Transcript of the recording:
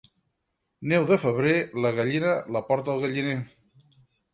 Neu de febrer, la gallina la porta al galliner.